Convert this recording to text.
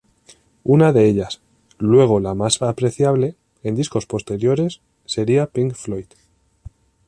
Una de ellas, luego la más apreciable, en discos posteriores, sería Pink Floyd.